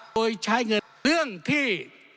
โดยใช้เงินเรื่องที่